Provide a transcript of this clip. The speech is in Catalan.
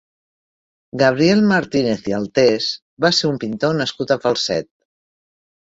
Gabriel Martínez i Altés va ser un pintor nascut a Falset.